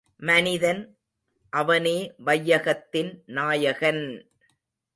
மனிதன் அவனே வையகத்தின் நாயகன்!